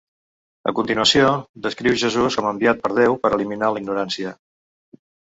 A continuació, descriu Jesús com a enviat per Déu per eliminar la ignorància.